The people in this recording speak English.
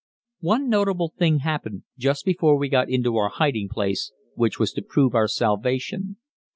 One notable thing happened just before we got into our hiding place, which was to prove our salvation.